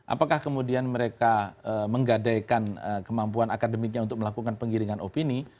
apakah kemudian mereka menggadaikan kemampuan akademiknya untuk melakukan penggiringan opini